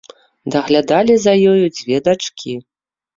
Даглядалі за ёю дзве дачкі.